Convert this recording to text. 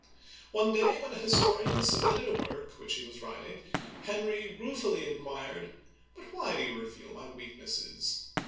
One day, when a historian submitted a work which he was writing, Henry ruefully inquired, " But why do you reveal my weaknesses